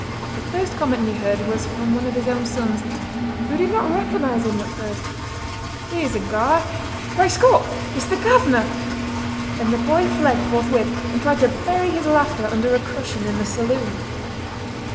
The first comment he heard was from one of his own sons, who did not recognise him at first. "Here's a guy! Great Scott! It's the governor!" And the boy fled forthwith and tried to bury his laughter under a cushion in the saloon.